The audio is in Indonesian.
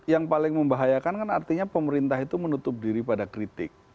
yang paling membahayakan kan artinya pemerintah itu menutup diri pada kritik